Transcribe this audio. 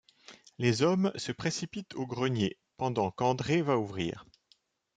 Les hommes se précipitent au grenier pendant qu’André va ouvrir.